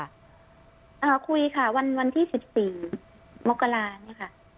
อ่าคุยค่ะวันวันที่สิบสี่มกราเนี่ยค่ะ